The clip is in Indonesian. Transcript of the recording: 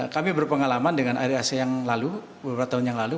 kami berpengalaman dengan ari ac yang lalu beberapa tahun yang lalu